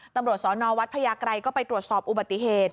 ตำรวจสอนอวัดพญาไกรก็ไปตรวจสอบอุบัติเหตุ